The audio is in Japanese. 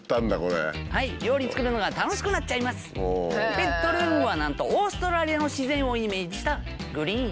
ベッドルームはなんとオーストラリアの自然をイメージしたグリーン。